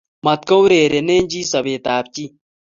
Matkourerene chi sobetab chi